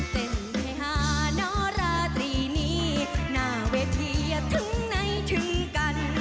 เต้นที่หานราตรีนี้หน้าเวทีอย่าถึงในถึงกัน